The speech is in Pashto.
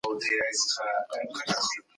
یادښتونه ولیکه.